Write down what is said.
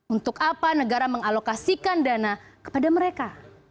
untuk apa negara mengalokasikan dana kepada mereka